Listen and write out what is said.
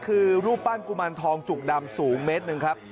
คือรูปปั้นกุมารทองจุกดำสูงเมตรหนึ่งครับ